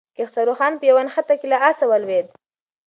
کیخسرو خان په یوه نښته کې له آسه ولوېد.